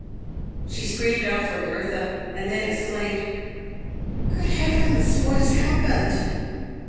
She screamed out for Bertha, and then exclaimed, " Good Heavens ! what has happened